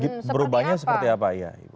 berubahnya seperti apa